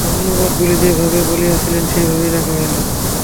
অনুবাদগুলি যেভাবে বলিয়াছিলেন, সেইভাবেই রাখা হইল।